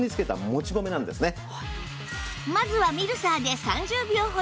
まずはミルサーで３０秒ほど